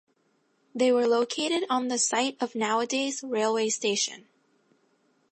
They were located on the site of nowadays railway station.